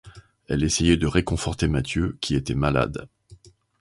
Elle essayait de réconforter Mathieu, qui était malade.